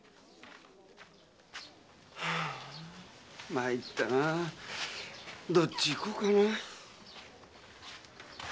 まいったなぁどっちに行こうかなぁ。